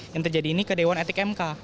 yang terjadi ini ke dewan etik mk